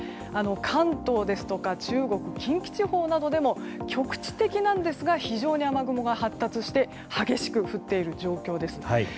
関東ですとか中国・近畿地方でも局地的なんですが非常に雨雲が発達して激しく降っている状況です。